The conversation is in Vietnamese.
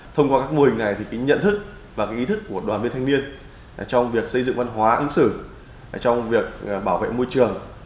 thông qua các mô hình này nhận thức và ý thức của đoàn viên thanh niên trong việc xây dựng văn hóa ứng xử trong việc bảo vệ môi trường